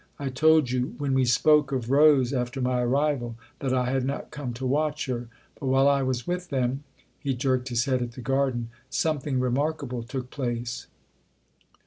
I told you, when we spoke of Rose after my arrival, that I had not come to watch her. But while I was with them" he jerked his head at the garden " something remarkable took place."